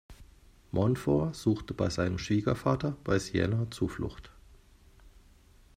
Montfort suchte bei seinem Schwiegervater bei Siena Zuflucht.